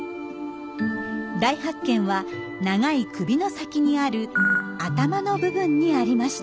大発見は長い首の先にある頭の部分にありました。